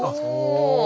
お。